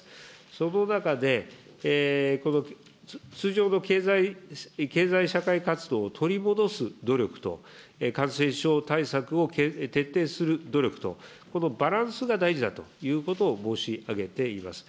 その中で、通常の経済社会活動を取り戻す努力と、感染症対策を徹底する努力と、このバランスが大事だということを申し上げています。